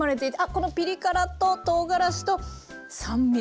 このピリ辛ととうがらしと酸味